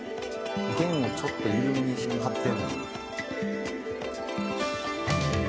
「弦をちょっと緩めに張ってる」